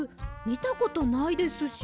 みたことないですし。